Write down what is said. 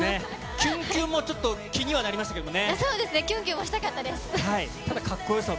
キュンキュンもちょっと気にはなりましたけどね。